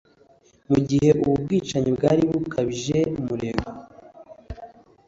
Mu gihe ubu bwicanyi bwari bukajije umurego